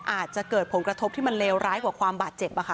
อาจจะเกิดผลกระทบที่มันเลวร้ายกว่าความบาดเจ็บ